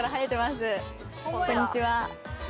こんにちは。